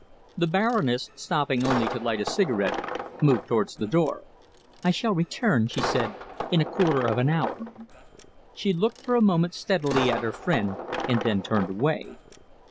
The Baroness, stopping only to light a cigarette, moved towards the door. "I shall return," she said, "in a quarter of an hour." She looked for a moment steadily at her friend, and then turned away.